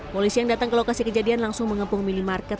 polisi yang datang ke lokasi kejadian langsung mengepung minimarket